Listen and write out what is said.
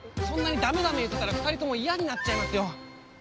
そんなに「ダメダメ」言ってたら２人とも嫌になっちゃいますよ。